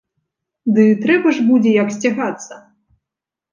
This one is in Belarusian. Ды трэба ж будзе як сцягацца.